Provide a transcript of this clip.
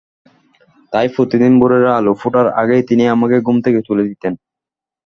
তাই প্রতিদিন ভোরের আলো ফোটার আগেই তিনি আমাকে ঘুম থেকে তুলে দিতেন।